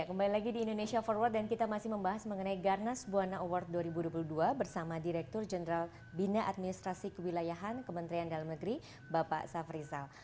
kembali lagi di indonesia forward dan kita masih membahas mengenai garnas buana award dua ribu dua puluh dua bersama direktur jenderal bina administrasi kewilayahan kementerian dalam negeri bapak safrizal